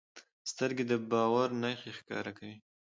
سترګې د باور نښې ښکاره کوي